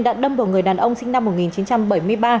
đã đâm vào người đàn ông sinh năm một nghìn chín trăm bảy mươi ba